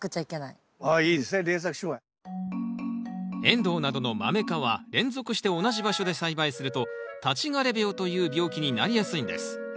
エンドウなどのマメ科は連続して同じ場所で栽培すると立枯病という病気になりやすいんです。